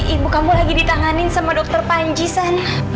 ibu kamu lagi ditanganin sama dokter panji san